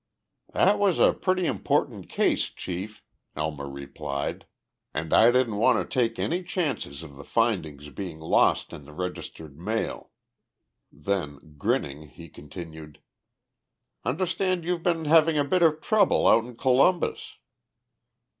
"That was a pretty important case, Chief," Elmer replied, "and I didn't want to take any chances of the findings being lost in the registered mail." Then, grinning, he continued, "Understand you've been having a bit of trouble out in Columbus?"